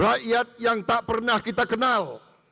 rakyat yang tak pernah kita kenal